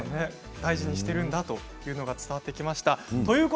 大事にしてるんだというのが伝わってきました。